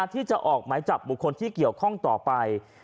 ที่จะออกหมายจับบุคคลที่เกี่ยวข้องต่อไป